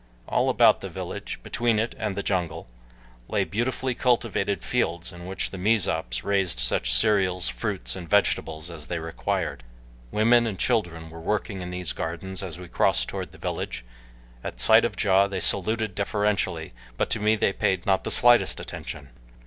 All about the village, between it and the jungle, lay beautifully cultivated fields in which the Mezops raised such cereals, fruits, and vegetables as they required. Women and children were working in these gardens as we crossed toward the village. At sight of Ja they saluted deferentially, but to me they paid not the slightest attention.